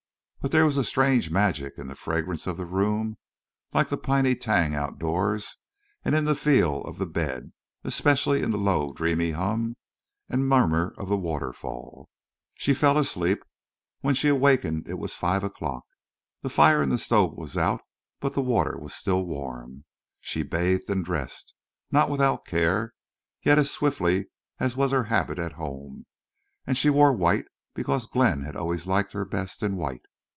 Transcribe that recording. But there was a strange magic in the fragrance of the room, like the piny tang outdoors, and in the feel of the bed, and especially in the low, dreamy hum and murmur of the waterfall. She fell asleep. When she awakened it was five o'clock. The fire in the stove was out, but the water was still warm. She bathed and dressed, not without care, yet as swiftly as was her habit at home; and she wore white because Glenn had always liked her best in white.